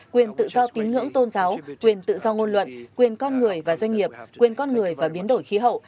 quyền tự do tín ngưỡng tôn giáo quyền tự do ngôn luận quyền con người và doanh nghiệp quyền con người và biến đổi khí hậu